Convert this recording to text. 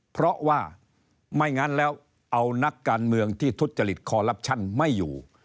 เพราะว่าไม่งั้นแล้วเอานักการเมืองที่ทุจริตคอลลับชั่นไม่อยู่